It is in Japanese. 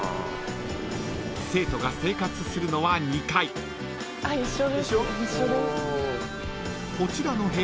［生徒が生活するのは２階］こんにちは。